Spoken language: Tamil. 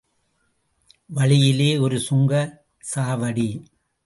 வழியிலே ஒரு சுங்கச் சாவடி.